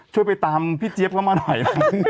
ช่วยไปตามพี่เจี๊ยบเข้ามาหน่อย